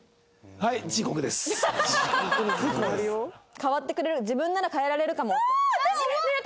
変わってくれる自分なら変えられるかも。